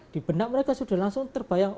di benak mereka sudah langsung terbayang